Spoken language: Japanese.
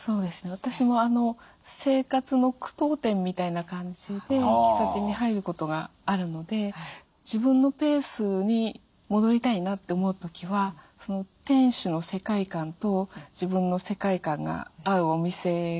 私も生活の句読点みたいな感じで喫茶店に入ることがあるので自分のペースに戻りたいなって思う時は店主の世界観と自分の世界観が合うお店がぴったりですね。